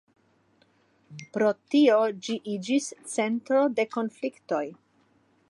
Pro tio ĝi iĝis centro de konfliktoj.